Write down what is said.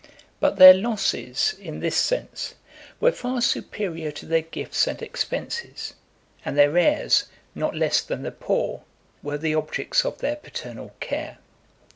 85 But their losses, in this sense, were far superior to their gifts and expenses; and their heirs, not less than the poor, were the objects of their paternal care.